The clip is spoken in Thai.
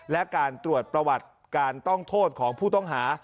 และการตรวจประวัติการต้องโทษของผู้ต้องหา